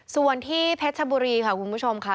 ส่วนที่เพชรชบุรีค่ะคุณผู้ชมค่ะ